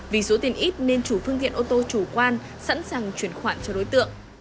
vì số tiền ít nên chủ phương tiện ô tô chủ quan sẵn sàng chuyển khoản cho đối tượng